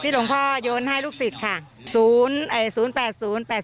ที่หลวงพ่อโยนให้ลูกศิษย์ค่ะศูนย์เอ่ยศูนย์แปดศูนย์แปด